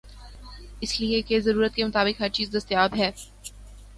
اس لئے کہ ضرورت کے مطابق ہرچیز دستیاب ہے۔